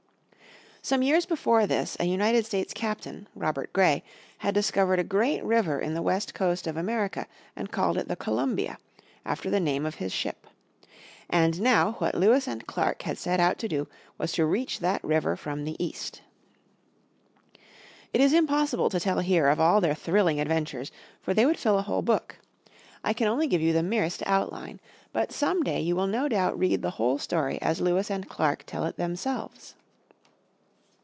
Some years before this a United States Captain, Robert Grey, had discovered a great river in the west coast of America and called it the Columbia, after the name of his ship. And now what Lewis and Clark had set out to do was to reach that river from the east. It is impossible to tell here of all their thrilling adventures, for they would fill a whole book. I can only give you the merest outline. But some day you will no doubt read the whole story as Lewis and Clark tell it themselves.